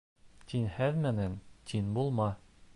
Тиңһеҙ менән тиң булма.